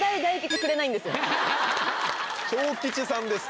「小吉さん」です